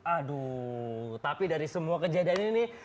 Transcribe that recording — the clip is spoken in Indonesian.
aduh tapi dari semua kejadian ini